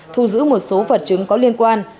thu giữ một số vật chứng có liên quan